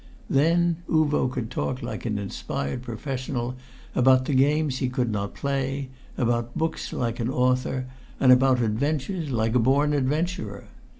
Then Uvo could talk like an inspired professional about the games he could not play, about books like an author, and about adventures like a born adventurer.